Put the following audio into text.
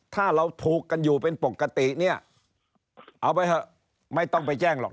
ถ้าเราถูกกันอยู่เป็นปกติเนี่ยเอาไปเถอะไม่ต้องไปแจ้งหรอก